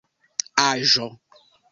aĵo